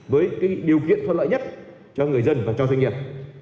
với điều kiện thuận lợi nhất cho người dân và doanh nghiệp